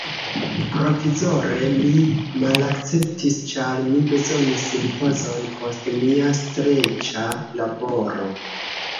Provizore mi malakceptis, ĉar mi bezonis ripozon post mia streĉa laboro.